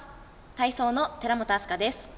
体操の寺本明日香です。